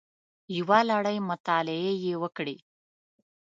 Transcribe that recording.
یوه لړۍ مطالعې یې وکړې